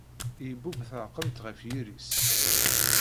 Ibub taɛkemt ɣef yiri-s